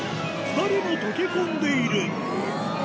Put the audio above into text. ２人も溶け込んでいる